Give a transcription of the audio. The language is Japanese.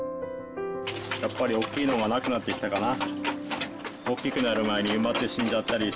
やっぱり大きいのがなくなってきたかな。